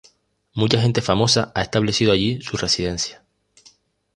Mucha gente famosa ha establecido allí su residencia.